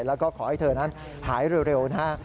แล้วก็ขอให้เธอนั้นหายเร็วนะฮะ